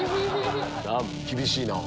厳しいなぁ。